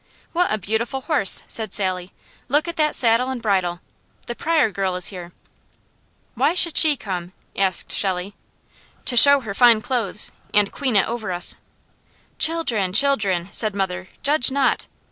"What a beautiful horse!" said Sally. "Look at that saddle and bridle! The Pryor girl is here." "Why should she come?" asked Shelley. "To show her fine clothes and queen it over us!" "Children, children!" said mother. "'Judge not!'